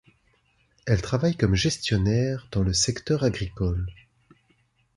Elle travaille comme gestionnaire dans le secteur agricole.